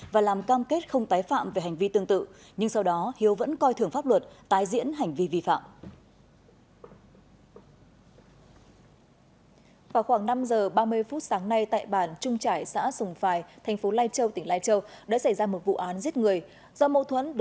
và làm cam kết không tái phạm về hành vi tương tự nhưng sau đó hiếu vẫn coi thường pháp luật tái diễn hành vi vi phạm